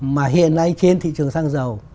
mà hiện nay trên thị trường xăng dầu